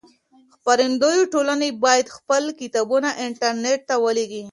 خپرندويې ټولنې بايد خپل کتابونه انټرنټ ته ولېږي.